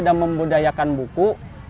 dan membudayakan buku